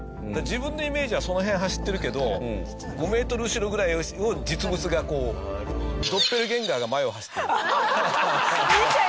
自分のイメージはその辺走ってるけど５メートル後ろぐらいを実物がこうドッペルゲンガーが前を走ってる。